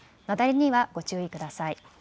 雪崩にはご注意ください。